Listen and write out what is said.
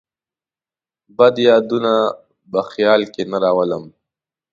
بد یادونه په خیال کې نه راولم.